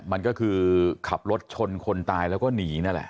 มันก็คือขับรถชนคนตายแล้วก็หนีนั่นแหละ